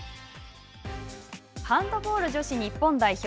ハンドボール女子日本代表。